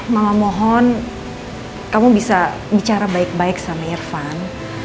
mama mohon kamu bisa bicara baik baik sama irfan